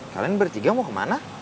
kalian bertiga mau kemana